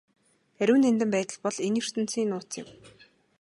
Ариун нандин байдал бол энэ ертөнцийн нууц юм.